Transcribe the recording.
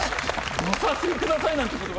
「ご査収ください」なんて言葉。